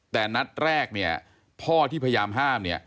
แต่นัดแรกเนี่ยพ่อที่พยายามห้ามเนี่ย